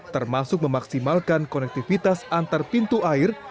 termasuk memaksimalkan konektivitas antar pintu air